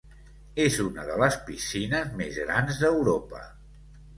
És una de les piscines més grans d'Europa.